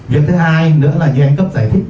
việc thứ hai nữa là dưới anh cấp giải thích